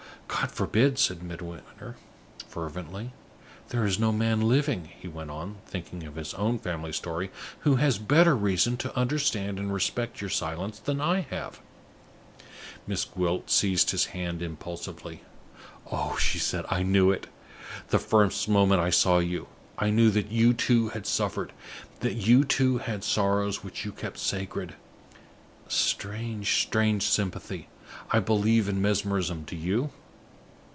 "God forbid!" said Midwinter, fervently. "There is no man living," he went on, thinking of his own family story, "who has better reason to understand and respect your silence than I have." Miss Gwilt seized his hand impulsively. "Oh," she said, "I knew it, the first moment I saw you! I knew that you, too, had suffered; that you, too, had sorrows which you kept sacred! Strange, strange sympathy! I believe in mesmerism do you?"